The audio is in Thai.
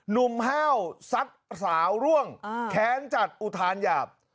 นุ่มเห้าสัดสาวร่วงแข็งจัดอุทานหยาบ